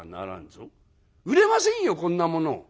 「売れませんよこんなもの」。